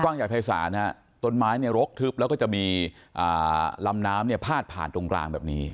กว้างใหญ่ภายศาสตร์ต้นไม้รกทึบแล้วก็จะมีลำน้ำพาดผ่านตรงกลางแบบนี้